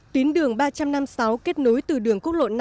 tuyến đường ba trăm năm mươi sáu kết nối từ đường quốc lộ năm